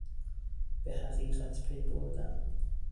به حقیقت پی بردن